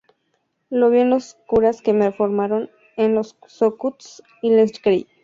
Lo vi en los curas que me formaron, en los "scouts", y les creí.